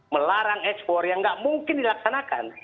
melarang ekspor yang tidak mungkin dilaksanakan